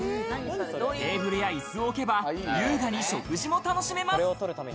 テーブルや椅子を置けば、優雅に食事も楽しめます。